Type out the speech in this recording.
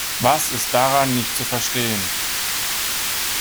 Was ist daran nicht zu verstehen?